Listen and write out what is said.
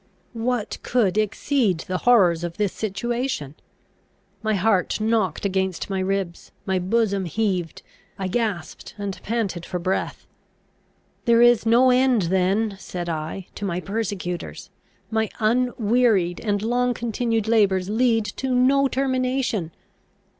What could exceed the horrors of this situation? My heart knocked against my ribs, my bosom heaved, I gasped and panted for breath. "There is no end then," said I, "to my persecutors! My unwearied and long continued labours lead to no termination!